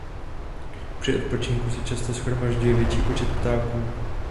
Při odpočinku se často shromažďuje větší počet ptáků.